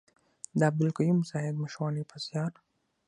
د عبدالقيوم زاهد مشواڼي په زيار.